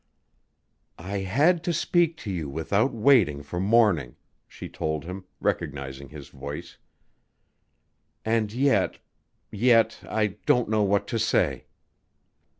"I had to speak to you without waiting for morning," she told him, recognizing his voice, "and yet yet I don't know what to say."